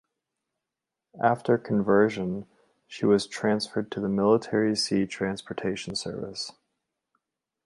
After conversion she was transferred to the Military Sea Transportation Service.